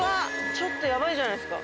ちょっとやばいんじゃないですか？